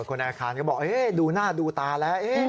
คนในอาคารก็บอกดูหน้าดูตาแล้ว